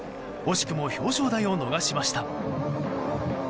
惜しくも表彰台を逃しました。